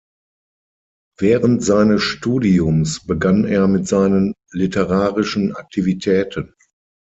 Während seines Studiums begann er mit seinen literarischen Aktivitäten.